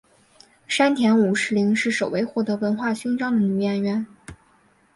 山田五十铃是首位获得文化勋章的女演员。